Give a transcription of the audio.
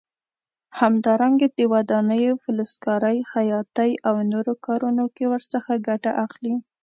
همدارنګه د ودانیو، فلزکارۍ، خیاطۍ او نورو کارونو کې ورڅخه ګټه اخلي.